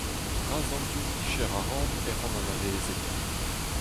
Gras d'an div vicher a ran ec'h on anavezet.